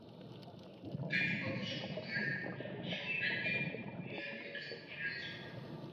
তিনিই তোমার সমুদায় সঙ্কেভের মর্মোদ্ভেদ করিয়াছেন।